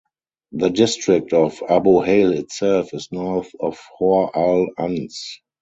The district of Abu Hail itself is north of Hor Al Anz.